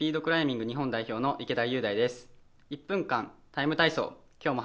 スピードクライミング日本代表の池田雄太です。